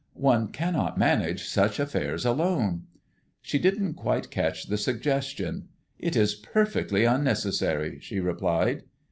One cannot manage such affairs alone." She didn't quite catch the suggestion. "It is perfectly unnecessary," she replied.